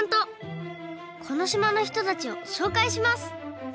このしまのひとたちをしょうかいします。